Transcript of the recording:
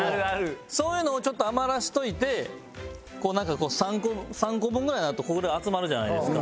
そういうのをちょっと余らせておいてこうなんか３個分ぐらいになるとこのぐらい集まるじゃないですか。